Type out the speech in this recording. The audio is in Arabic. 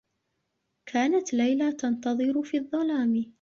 كانت ليلى تنتظر في الظّلام.